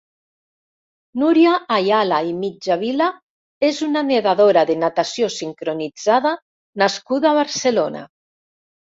Núria Ayala i Mitjavila és una nedadora de natació sincronitzada nascuda a Barcelona.